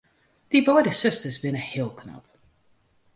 Dy beide susters binne heel knap.